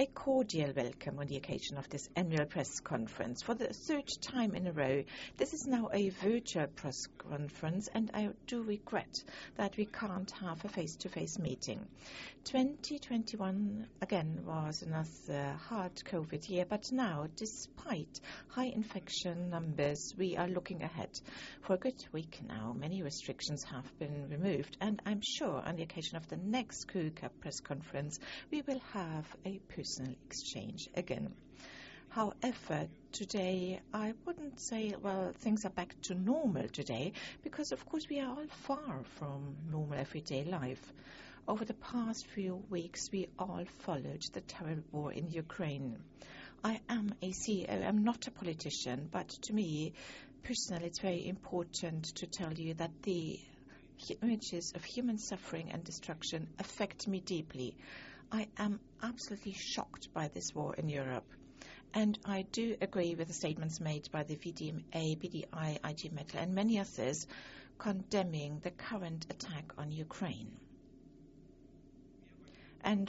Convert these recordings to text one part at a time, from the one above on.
A cordial welcome on the occasion of this annual press conference. For the third time in a row, this is now a virtual press conference, and I do regret that we can't have a face-to-face meeting. 2021, again, was another hard COVID year, but now, despite high infection numbers, we are looking ahead. For a good week now, many restrictions have been removed, and I'm sure on the occasion of the next KUKA press conference, we will have a personal exchange again. However, today, I wouldn't say, well, things are back to normal today because, of course, we are all far from normal everyday life. Over the past few weeks, we all followed the terrible war in Ukraine. I am a CEO. I'm not a politician, but to me, personally, it's very important to tell you that the, images of human suffering and destruction affect me deeply. I am absolutely shocked by this war in Europe, and I do agree with the statements made by the VDA, BDI, IG Metall, and many others condemning the current attack on Ukraine.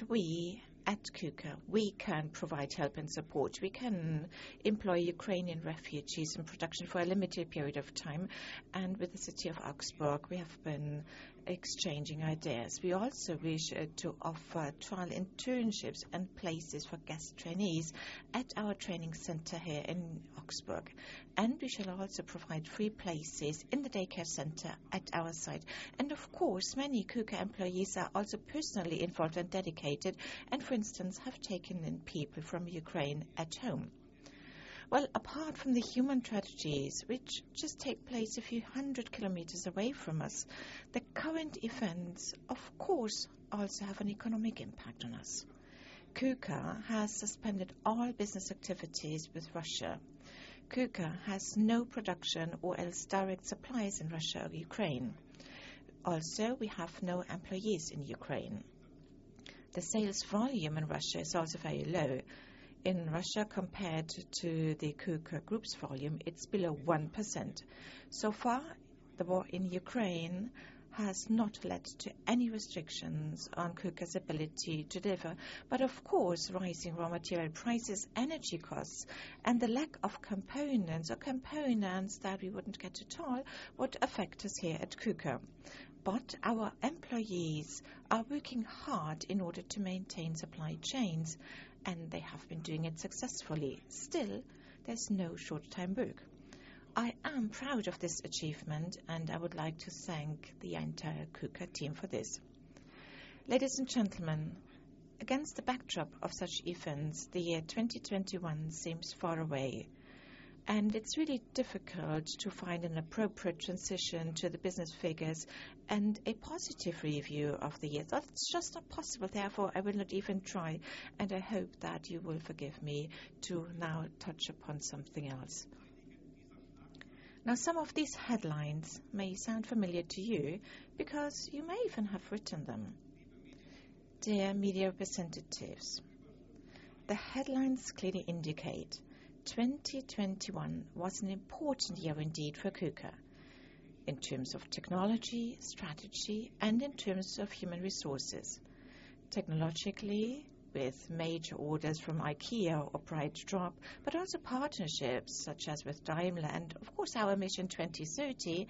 We, at KUKA, we can provide help and support. We can employ Ukrainian refugees in production for a limited period of time, and with the city of Augsburg, we have been exchanging ideas. We also wish to offer trial internships and places for guest trainees, at our training center here in Augsburg. We shall also provide free places in the daycare center at our site. Of course, many KUKA employees are also personally involved and dedicated and, for instance, have taken in people from Ukraine at home. Well, apart from the human tragedies which just take place a few hundred kilometers away from us, the current events, of course, also have an economic impact on us. KUKA has suspended all business activities with Russia. KUKA has no production or else direct supplies in Russia or Ukraine. Also, we have no employees in Ukraine. The sales volume in Russia is also very low. In Russia compared to the KUKA Group's volume, it's below 1%. So far, the war in Ukraine has not led to any restrictions on KUKA's ability to deliver. Of course, rising raw material prices, energy costs, and the lack of components or components that we wouldn't get at all would affect us here at KUKA. Our employees, are working hard in order to maintain supply chains, and they have been doing it successfully. Still, there's no short-time break. I am proud of this achievement, and I would like to thank the entire KUKA team for this. Ladies and gentlemen, against the backdrop of such events, the year 2021 seems far away, and it's really difficult to find an appropriate transition to the business figures and a positive review of the year. That's just not possible. Therefore, I will not even try, and I hope that you will forgive me to now touch upon something else. Now, some of these headlines, may sound familiar to you because, you may even have written them. Dear media representatives, the headlines clearly indicate 2021, was an important year indeed for KUKA, in terms of technology, strategy, and in terms of human resources. Technologically, with major orders from IKEA or BrightDrop, but also partnerships such as with Daimler, and of course, our Mission 2030,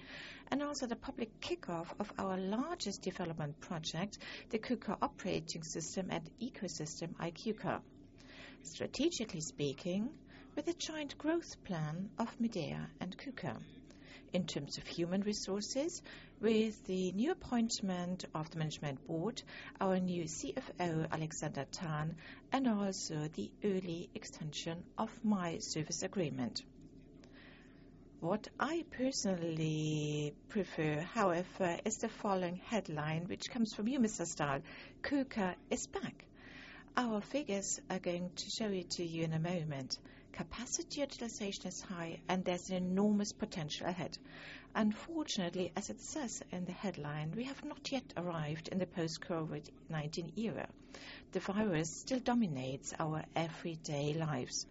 and also the public kickoff of our largest development project, the KUKA operating system and ecosystem iiQKA. Strategically speaking, with a joint growth plan of Midea and KUKA. In terms of human resources, with the new appointment of the management board, our new CFO, Alexander Tan, and also the early extension of my service agreement. What I personally prefer, however, is the following headline, which comes from you, Mr. Stahr. KUKA is back. Our figures are going to show it to you in a moment. Capacity utilization is high, and there's enormous potential ahead. Unfortunately, as it says in the headline, we have not yet arrived in the post-COVID-19 era. The virus still dominates our everyday lives.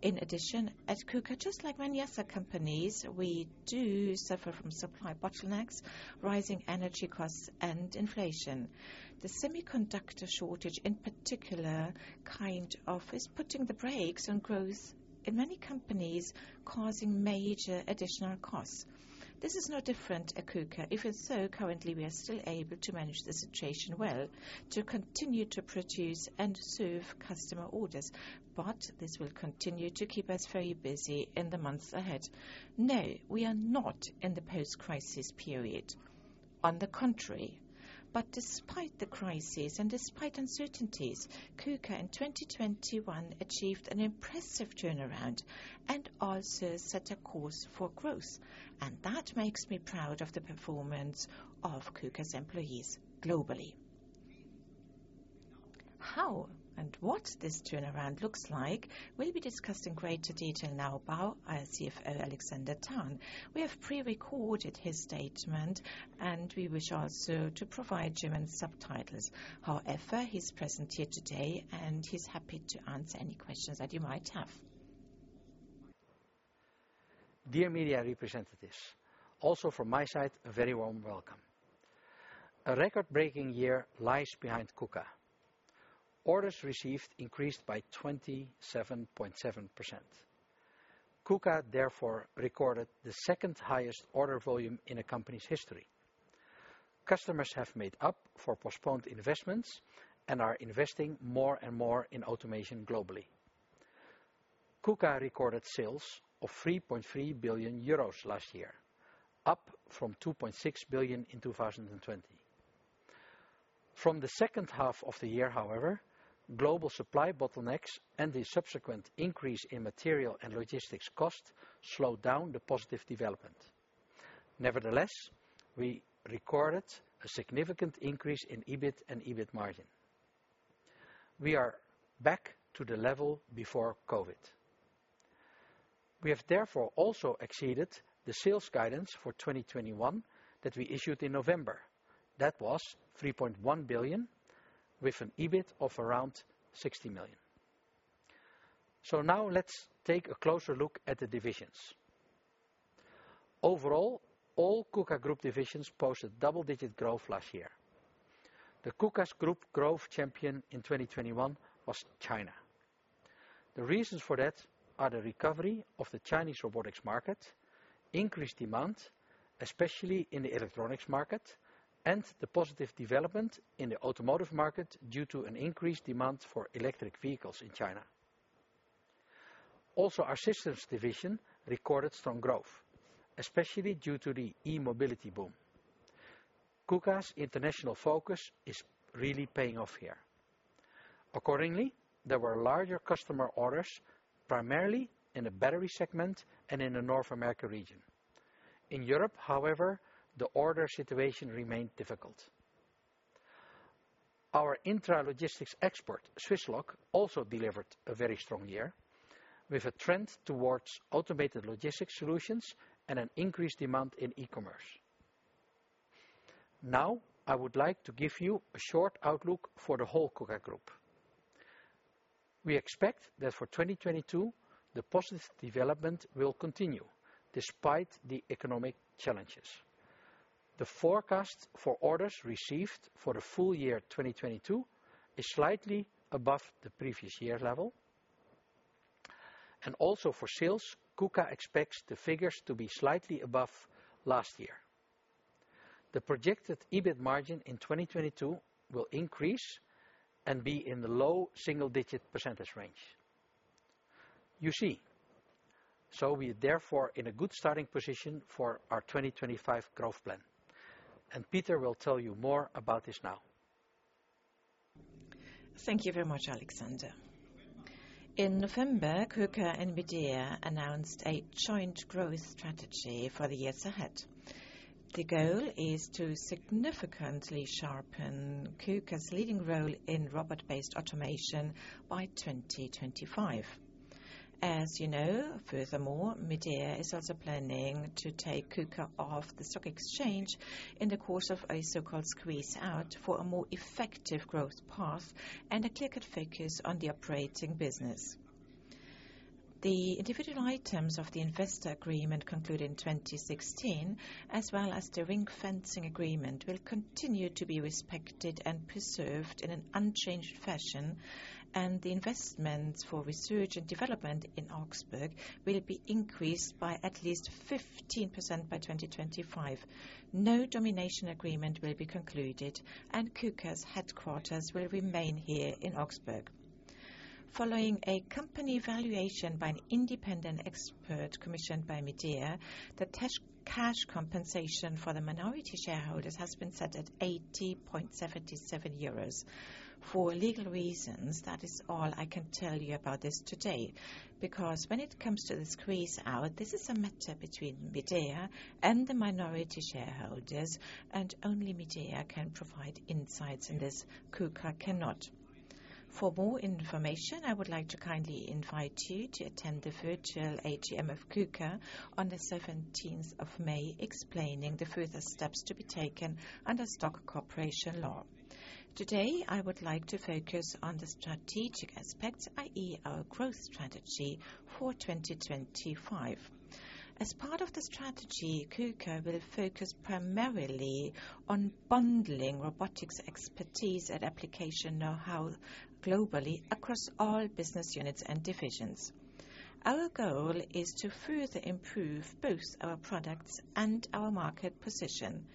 In addition, at KUKA, just like many other companies, we do suffer from supply bottlenecks, rising energy costs, and inflation. The semiconductor shortage, in particular, kind of is putting the brakes on growth in many companies, causing major additional costs. This is no different at KUKA. If it's so, currently, we are still able to manage the situation well, to continue to produce and serve customer orders. But this will continue to keep us very busy in the months ahead. No, we are not in the post-crisis period. On the contrary, but despite the crisis and despite uncertainties, KUKA in 2021 achieved an impressive turnaround, and also set a course for growth, and that makes me proud of the performance of KUKA's employees globally. How, and what this turnaround looks like will be discussed in greater detail now by our CFO, Alexander Tan. We have prerecorded his statement, and we wish also to provide German subtitles. However, he's present here today, and he's happy to answer any questions that you might have. Dear media representatives, also from my side, a very warm welcome. A record-breaking year lies behind KUKA. Orders received increased by 27.7%. KUKA therefore recorded the second highest order volume in the company's history. Customers have made up for postponed investments, and are investing more and more in automation globally. KUKA recorded sales of 3.3 billion euros last year, up from 2.6 billion in 2020. From the second half of the year, however, global supply bottlenecks and the subsequent increase in material and logistics costs, slowed down the positive development. Nevertheless, we recorded a significant increase in EBIT and EBIT margin. We are back to the level before COVID. We have therefore also exceeded the sales guidance for 2021, that we issued in November. That was 3.1 billion, with an EBIT of around 60 million. Now let's take a closer look at the divisions. Overall, all KUKA Group divisions posted double-digit growth last year. The KUKA Group's growth champion in 2021 was China. The reasons for that are the recovery of the Chinese robotics market, increased demand, especially in the electronics market, and the positive development in the automotive market due to an increased demand for electric vehicles in China. Also, our systems division recorded strong growth, especially due to the e-mobility boom. KUKA's international focus is really paying off here. Accordingly, there were larger customer orders, primarily in the battery segment and in the North America region. In Europe, however, the order situation remained difficult. Our intralogistics expert, Swisslog, also delivered a very strong year, with a trend towards automated logistics solutions and an increased demand in eCommerce. Now, I would like to give you a short outlook for the whole KUKA Group. We expect that for 2022, the positive development will continue, despite the economic challenges. The forecast for orders received for the full year 2022, is slightly above the previous year level. Also for sales, KUKA expects the figures to be slightly above last year. The projected EBIT margin in 2022, will increase and be in the low single-digit % range. You see. We're therefore in a good starting position for our 2025 growth plan, and Peter will tell you more about this now. Thank you very much, Alexander. In November, KUKA and Midea announced a joint growth strategy for the years ahead. The goal is to significantly sharpen KUKA's leading role in robot-based automation by 2025. As you know, furthermore, Midea is also planning to take KUKA off the stock exchange in the course of a so-called squeeze-out for a more effective growth path, and a clearer focus on the operating business. The individual items of the Investment Agreement concluded in 2016, as well as the ring-fencing agreement will continue to be respected and preserved in an unchanged fashion, and the investments for research and development in Augsburg will be increased by at least 15% by 2025. No domination agreement will be concluded, and KUKA's headquarters will remain here in Augsburg. Following a company valuation by an independent expert commissioned by Midea, the cash compensation for the minority shareholders has been set at 80.77 euros. For legal reasons, that is all I can tell you about this today, because when it comes to the squeeze-out, this is a matter between Midea and the minority shareholders, and only Midea can provide insights in this, KUKA cannot. For more information, I would like to kindly invite you to attend the virtual AGM of KUKA, on the seventeenth of May, explaining the further steps to be taken under stock corporation law. Today, I would like to focus on the strategic aspects, i.e., our growth strategy for 2025. As part of the strategy, KUKA will focus primarily, on bundling robotics expertise and application knowhow globally across all business units and divisions. Our goal is to further improve both our products and our market position.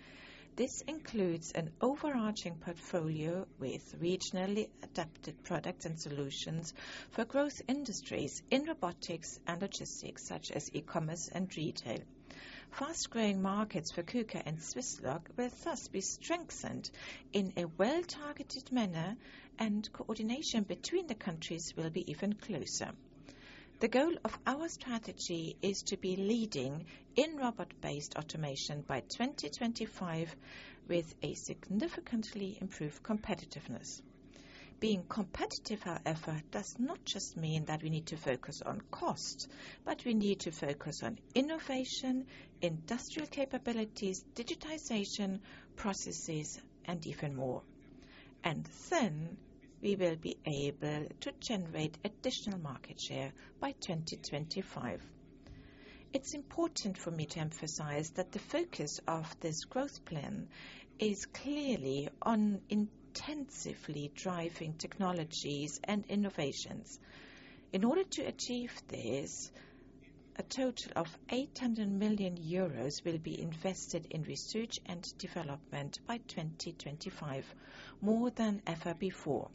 This includes an overarching portfolio with regionally adapted products and solutions, for growth industries in robotics and logistics such as eCommerce and retail. Fast-growing markets for KUKA and Swisslog will thus be strengthened in a well-targeted manner, and coordination between the countries will be even closer. The goal of our strategy is to be leading in robot-based automation by 2025, with a significantly improved competitiveness. Being competitive, however, does not just mean that we need to focus on cost, but we need to focus on innovation, industrial capabilities, digitization processes, and even more. And then we will be able to generate additional market share by 2025. It's important for me to emphasize that the focus of this growth plan, is clearly on intensively driving technologies and innovations. In order to achieve this, a total of 800 million euros will be invested in research and development by 2025, more than ever before.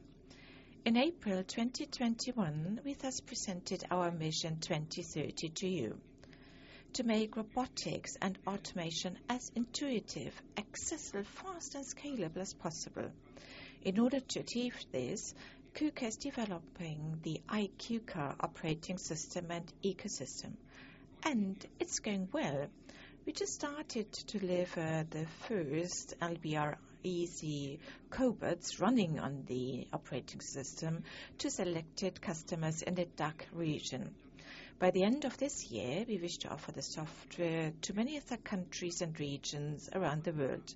In April 2021, we thus presented our Mission 2030 to you to, make robotics and automation as intuitive, accessible, fast, and scalable as possible. In order to achieve this, KUKA is developing the iiQKA operating system and ecosystem, and it's going well. We just started to deliver the first LBR iisy cobots running on the operating system to selected customers in the DACH region. By the end of this year, we wish to offer the software to many other countries and regions around the world.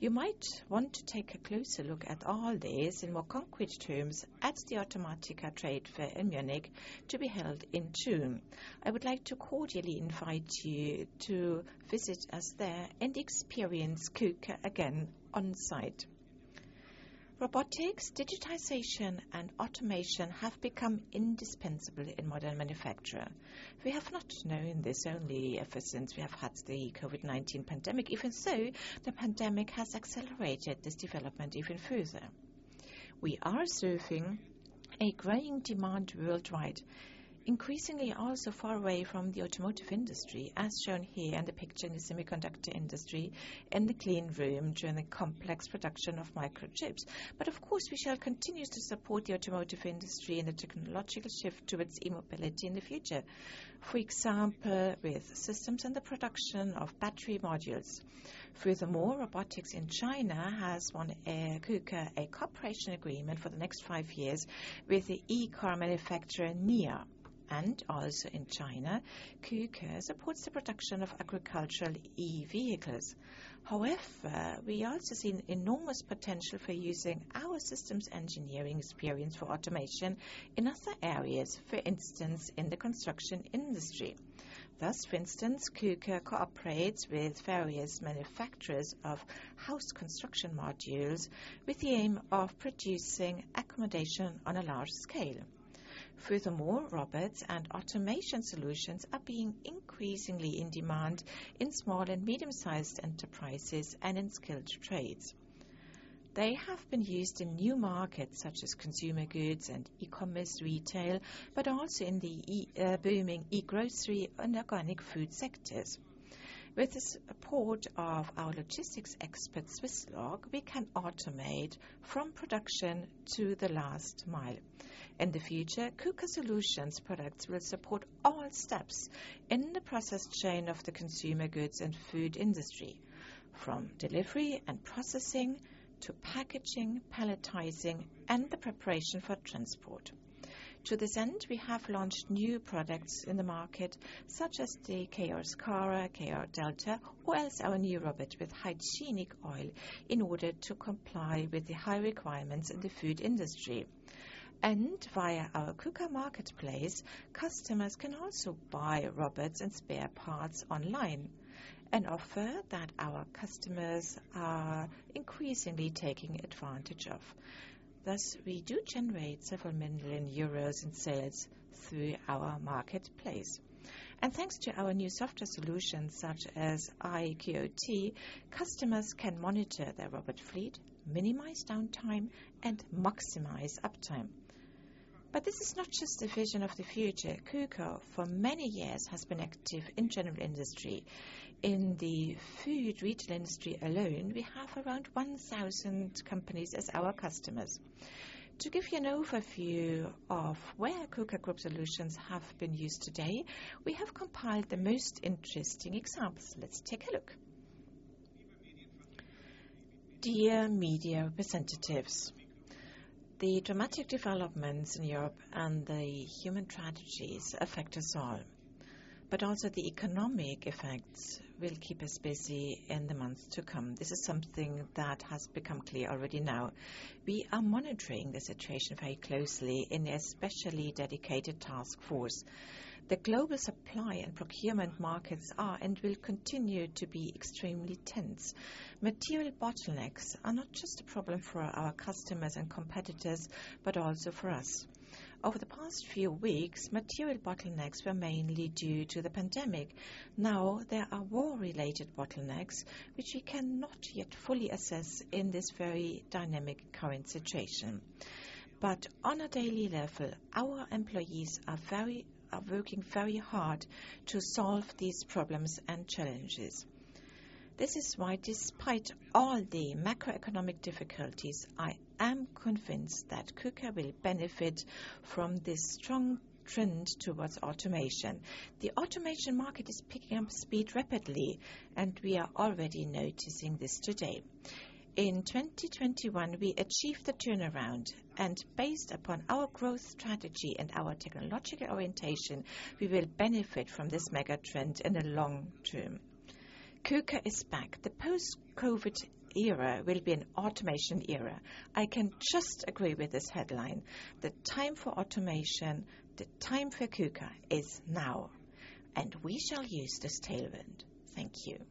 You might want to take a closer look at all this in more concrete terms at the automatica trade fair in Munich to be held in June. I would like to cordially invite you to visit us there and experience KUKA again on-site. Robotics, digitization, and automation have become indispensable in modern manufacturing. We have not known this only ever since we have had the COVID-19 pandemic. Even so, the pandemic has accelerated this development even further. We are serving a growing demand worldwide, increasingly also far away from the automotive industry, as shown here in the picture in the semiconductor industry in the clean room during the complex production of microchips. Of course, we shall continue to support the automotive industry in the technological shift towards e-mobility in the future. For example, with systems in the production of battery modules. Furthermore, robotics in China has won KUKA a cooperation agreement for the next five years with the e-car manufacturer NIO. Also in China, KUKA supports the production of agricultural e-vehicles. However, we also see enormous potential for using our systems engineering experience for automation, in other areas, for instance, in the construction industry. Thus, for instance, KUKA cooperates with various manufacturers of house construction modules, with the aim of producing accommodation on a large scale. Furthermore, robots and automation solutions are being increasingly in demand in small and medium-sized enterprises and in skilled trades. They have been used in new markets such as consumer goods and e-commerce retail, but also in the booming e-grocery and organic food sectors. With the support of our logistics expert, Swisslog, we can automate, from production to the last mile. In the future, KUKA Systems products will support all steps in the process chain of the consumer goods and food industry, from delivery and processing to packaging, palletizing, and the preparation for transport. To this end, we have launched new products in the market, such as the KR SCARA, KR DELTA, or else our new robot with hygienic oil in order to comply with the high requirements in the food industry. Via our KUKA Marketplace, customers can also buy robots and spare parts online, an offer that our customers are increasingly taking advantage of. Thus, we do generate several million EUR in sales through our marketplace. Thanks to our new software solutions such as iiQoT, customers can monitor their robot fleet, minimize downtime, and maximize uptime. This is not just a vision of the future. KUKA, for many years, has been active in general industry. In the food retail industry alone, we have around 1,000 companies as our customers. To give you an overview, of where KUKA Group solutions have been used today, we have compiled the most interesting examples. Let's take a look. Dear media representatives, the dramatic developments in Europe and the human tragedies affect us all, but also the economic effects will keep us busy in the months to come. This is something that has become clear already now. We are monitoring the situation very closely in a specially dedicated task force. The global supply and procurement markets are and will continue to be extremely tense. Material bottlenecks are not just a problem for our customers and competitors, but also for us. Over the past few weeks, material bottlenecks were mainly due to the pandemic. Now there are war-related bottlenecks, which we cannot yet fully assess in this very dynamic current situation. On a daily level, our employees are working very hard to solve these problems and challenges. This is why, despite all the macroeconomic difficulties, I am convinced that KUKA will benefit, from this strong trend towards automation. The automation market is picking up speed rapidly, and we are already noticing this today. In 2021, we achieved the turnaround, and based upon our growth strategy and our technological orientation, we will benefit from this mega trend in the long term. KUKA is back. The post-COVID era will be an automation era. I can just agree with this headline. The time for automation, the time for KUKA is now, and we shall use this tailwind. Thank you.